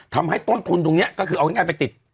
ทำให้ต้นทุนตรงนี้ก็คือเอาง่ายไปติด